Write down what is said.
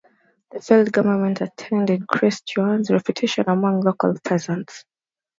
The failed governmental attempt increased Yuan's reputation among local peasants.